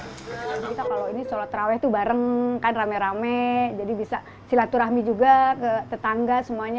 kita kalau ini sholat terawih tuh bareng kan rame rame jadi bisa silaturahmi juga ke tetangga semuanya